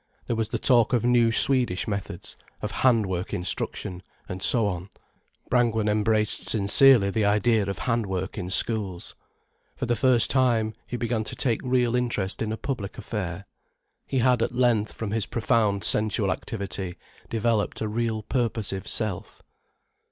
There was the talk of new Swedish methods, of handwork instruction, and so on. Brangwen embraced sincerely the idea of handwork in schools. For the first time, he began to take real interest in a public affair. He had at length, from his profound sensual activity, developed a real purposive self.